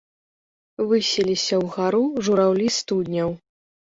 Высіліся ўгару жураўлі студняў.